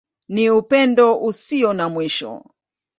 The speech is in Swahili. Ni Upendo Usio na Mwisho.